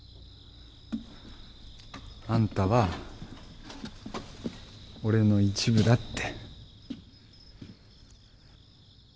あんたは俺の一部だって。